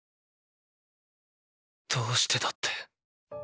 どうしてだって？